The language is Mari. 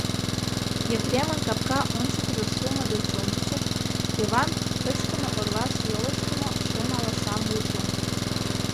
Епремын капка ончыкыжо шумо деч ончычак Йыван кычкыме орваш йолыштымо шем алашам ужо.